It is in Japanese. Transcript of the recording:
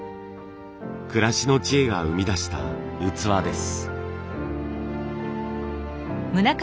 暮らしの知恵が生み出した器です。